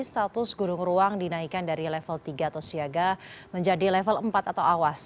status gunung ruang dinaikkan dari level tiga atau siaga menjadi level empat atau awas